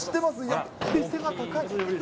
やっぱり背が高い。